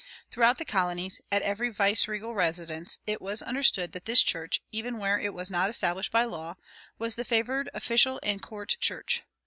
Throughout the colonies, at every viceregal residence, it was understood that this church, even where it was not established by law, was the favored official and court church.